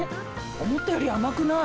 思ったより甘くない。